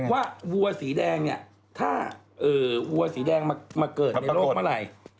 วัวสีแดงเนี่ยถ้าวัวสีแดงมาเกิดในโลกเมื่อไหร่